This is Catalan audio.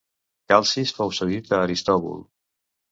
Calcis fou cedit a Aristòbul.